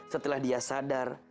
setelah dia sadar